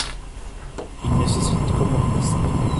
Il nécessite Common Lisp.